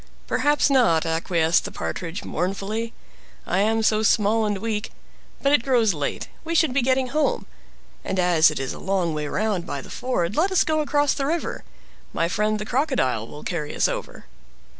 "Perhaps not," acquiesced the Partridge mournfully, "I am so small and weak. But it grows late—we should be getting home; and as it is a long way round by the ford, let us go across the river. My friend the Crocodile will carry us over."